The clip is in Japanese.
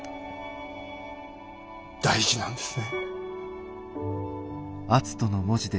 大事なんですね。